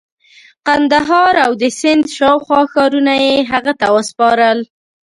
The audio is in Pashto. قندهار او د سند شاوخوا ښارونه یې هغه ته وسپارل.